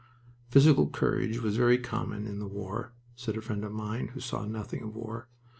"Physical courage was very common in the war," said a friend of mine who saw nothing of war.